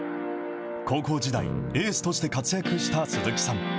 高校時代、エースとして活躍した鈴木さん。